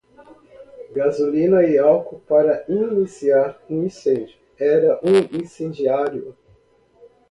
Ele carregava galões de gasolina e álcool para iniciar um incêndio, era um incendiário